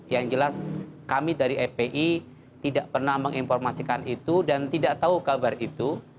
yang jelas kami dari fpi tidak pernah menginformasikan itu dan tidak tahu kabar itu